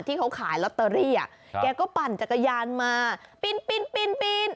ที่เขาขายลอตเตอรี่อ่ะครับแกก็ปั่นจักรยานมาปีนปีนปีนปีน